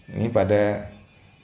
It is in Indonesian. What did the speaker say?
ini pada tahun